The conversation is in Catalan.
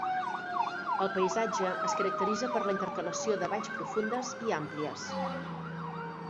El paisatge es caracteritza per la intercalació de valls profundes i àmplies.